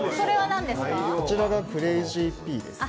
こちらがクレイジーピーですね。